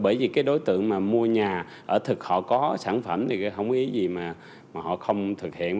bởi vì cái đối tượng mà mua nhà ở thực họ có sản phẩm thì không ý gì mà họ không thực hiện